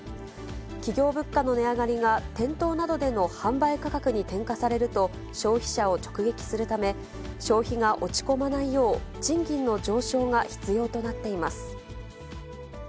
企業物価の値上がりが店頭などでの販売価格に転嫁されると、消費者を直撃するため、消費が落ち込まないよう、賃金の上昇が必要となっています。